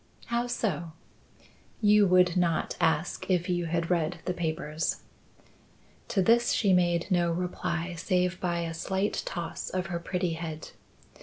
"How so?" "You would not ask if you had read the papers." To this she made no reply save by a slight toss of her pretty head.